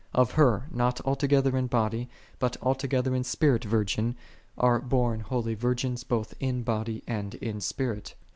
5 Of her, not altogether in body, but altogether in spirit virgin, are born holy virgins both in body and in spirit.